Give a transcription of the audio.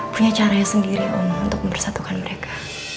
punya caranya sendiri oma untuk mempersatukan mereka